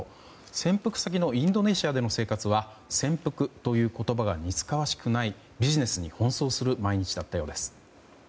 潜伏先でのインドネシアの生活は潜伏という言葉が似つかわしくない、ビジネスに奔走する毎日だったそうです。